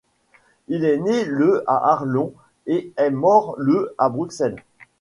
Il est né le à Arlon et est mort le à Bruxelles.